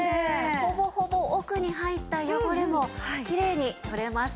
ほぼほぼ奥に入った汚れもきれいに取れましたよね。